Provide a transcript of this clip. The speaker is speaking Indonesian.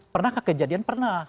pernah kekejadian pernah